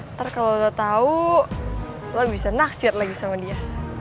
ntar kalau lo tau lo bisa naksir lagi sama dia